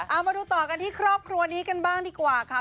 เอามาดูต่อกันที่ครอบครัวนี้กันบ้างดีกว่าค่ะ